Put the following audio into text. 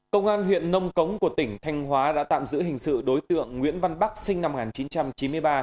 công an huyện nông cống của tỉnh thanh hóa đã tạm giữ hình sự đối tượng nguyễn văn bắc sinh năm một nghìn chín trăm chín mươi ba